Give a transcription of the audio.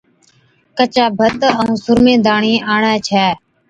ڪچا ڀَتَ ائُون سرمي داڻي آڻي ڇَي